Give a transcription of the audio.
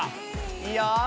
いいよ。